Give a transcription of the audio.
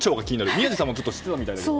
宮司さんは知ってたみたいだけど。